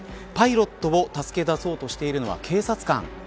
パイロットを助け出そうとしてるのは警察官。